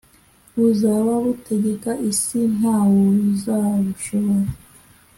buzaba butegeka isi ntawu zabushobora